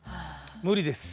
無理です。